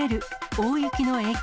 大雪の影響。